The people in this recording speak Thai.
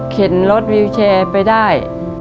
เข็นรถวิวแชร์ไปได้